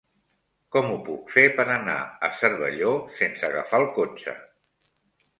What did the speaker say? Com ho puc fer per anar a Cervelló sense agafar el cotxe?